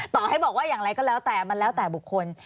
ต่อให้บอกว่าอย่างไรก็แล้วแต่มันแล้วแต่บุคคล